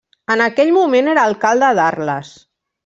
En aquell moment era alcalde d'Arles.